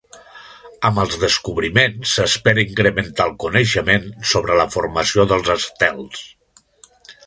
Amb els descobriments s'espera incrementar el coneixement sobre la formació dels estels.